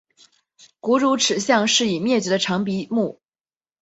古乳齿象是已灭绝的长鼻目。